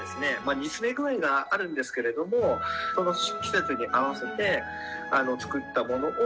煮詰め具合があるんですけれどもその季節に合わせて作ったものをずっと使っております。